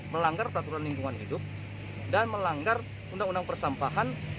melanggar peraturan lingkungan hidup dan melanggar undang undang persampahan